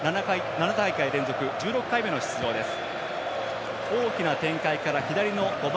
７大会連続、１６回目の出場です。